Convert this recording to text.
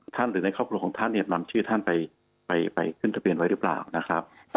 หรือในครอบครัวของท่านเนี่ยนำชื่อท่านไปขึ้นทะเบียนไว้หรือเปล่านะครับ